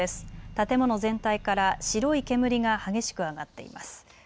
建物全体から白い煙が激しく上がっています。